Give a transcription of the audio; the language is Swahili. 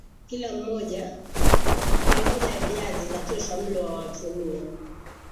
kilo moja ya viazi inatosha mlo wa watu nne